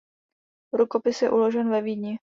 Rukopis je uložen ve Vídni.